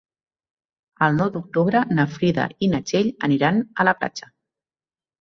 El nou d'octubre na Frida i na Txell aniran a la platja.